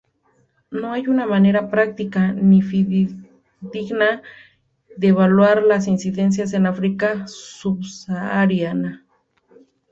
No hay una manera práctica, ni fidedigna de evaluar las incidencias en África subsahariana.